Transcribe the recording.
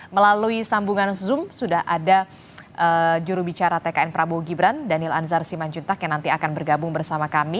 melalui sambungan zoom sudah ada jurubicara tkn prabowo gibran daniel anzar simanjuntak yang nanti akan bergabung bersama kami